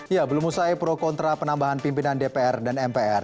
ya belum usai pro kontra penambahan pimpinan dpr dan mpr